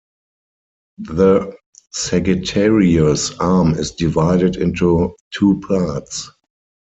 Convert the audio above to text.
The Sagittarius Arm is divided into two parts.